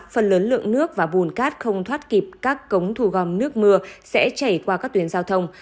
phần lớn lượng nước và bùn cát không thoát kịp các cống thu gom nước mưa sẽ chảy qua các tuyến giao thông